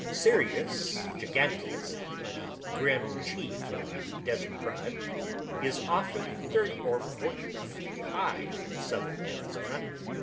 Cereus giganteus, the grim chief of the desert tribe, is often thirty or forty feet high in southern Arizona.